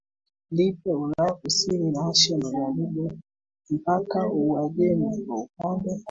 Libia Ulaya Kusini na Asia Magharibi mpaka Uajemi Kwa upande